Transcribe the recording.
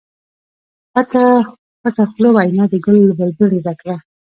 پټه خوله وینا د ګل له بلبل زده کړه.